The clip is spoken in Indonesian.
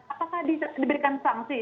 apakah diberikan sanksi